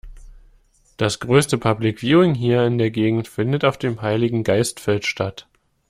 Das größte Public Viewing hier in der Gegend findet auf dem Heiligengeistfeld statt.